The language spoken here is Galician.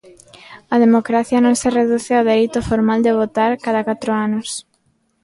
A democracia non se reduce ao dereito formal de votar cada catro anos.